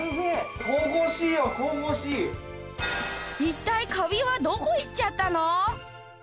一体カビはどこいっちゃったの？